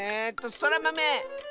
そらまめ！